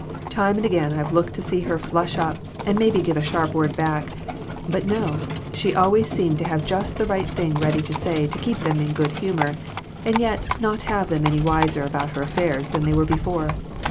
Time and again I've looked to see her flush up, and maybe give a sharp word back; but no, she always seemed to have just the right thing ready to say to keep them in good humor, and yet not have them any wiser about her affairs than they were before.